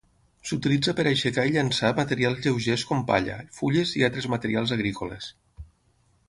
S'utilitza per aixecar i llençar materials lleugers com palla, fulles i altres materials agrícoles.